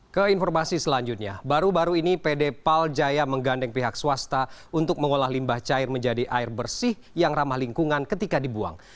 ke informasi selanjutnya baru baru ini pd paljaya menggandeng pihak swasta untuk mengolah limbah cair menjadi air bersih yang ramah lingkungan ketika dibuang